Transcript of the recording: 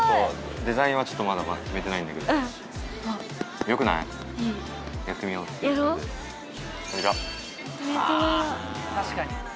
デザインはちょっとまだ決めてないんだけどこんにちは